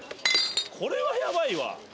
これはヤバいわ。